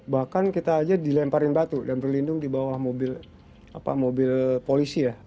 bahkan kita aja dilemparin batu dan berlindung di bawah mobil polisi ya